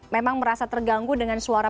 memang merasa terganggu dengan suara